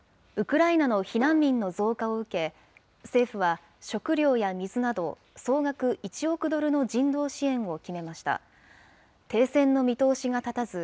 ウクライナの避難民の増加を受け、政府は食料や水など、総額１億ドルの人道支援を決めました。